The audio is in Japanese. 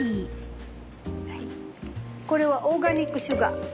これはオーガニックシュガー。